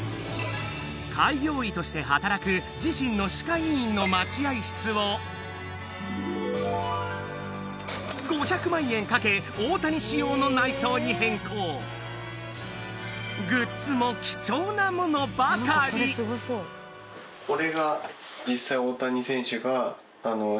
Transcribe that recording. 開業医として働く自身の歯科医院の待合室をかけ大谷仕様の内装に変更グッズも貴重な物ばかりこれが実際。